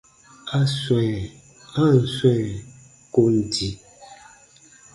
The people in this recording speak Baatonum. A swɛ̃, a ǹ swɛ̃ kon di.